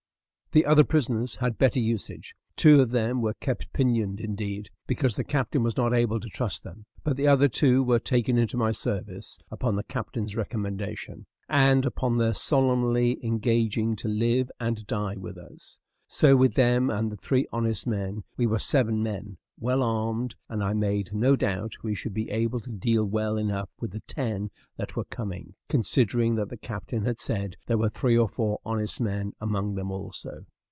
The other prisoners had better usage; two of them were kept pinioned, indeed, because the captain was not able to trust them; but the other two were taken into my service, upon the captain's recommendation, and upon their solemnly engaging to live and die with us; so with them and the three honest men we were seven men, well armed; and I made no doubt we should be able to deal well enough with the ten that were coming, considering that the captain had said there were three or four honest men among them also.